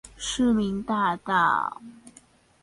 市民大道